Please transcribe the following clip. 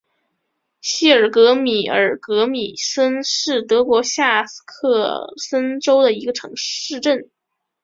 希尔格尔米森是德国下萨克森州的一个市镇。